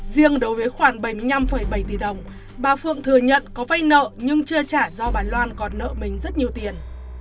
riêng đối với khoản bảy mươi năm bảy tỷ đồng bà phượng thừa nhận có vay nợ nhưng chưa trả do bà loan